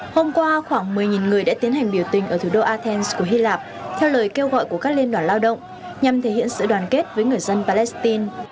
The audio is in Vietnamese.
hôm qua khoảng một mươi người đã tiến hành biểu tình ở thủ đô athens của hy lạp theo lời kêu gọi của các liên đoàn lao động nhằm thể hiện sự đoàn kết với người dân palestine